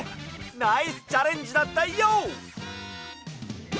ナイスチャレンジだったＹＯ！